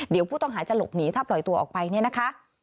เดี๋ยวผู้ต้องหาจะหลบหนีถ้าปล่อยตัวออกไปเนี่ยนะคะ